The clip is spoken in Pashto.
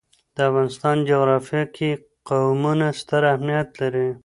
د افغانستان جغرافیه کې قومونه ستر اهمیت لري.